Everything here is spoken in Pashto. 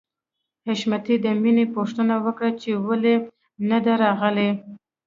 حشمتي د مینې پوښتنه وکړه چې ولې نده راغلې